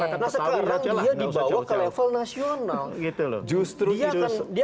nah sekarang dia dibawa ke level nasional